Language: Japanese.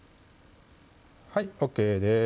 はいＯＫです